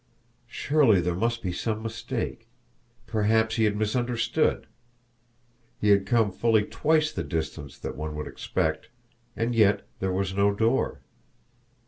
Surely there must be some mistake perhaps he had misunderstood! He had come fully twice the distance that one would expect and yet there was no door.